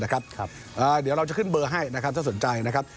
เดี๋ยวเราจะขึ้นเบอร์ให้นะครับถ้าสนใจนะครับ